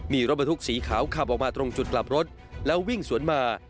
มีรถบรรทุกสีขาวขับออกมาตรงจุดกลับรถแล้ววิ่งสวนมา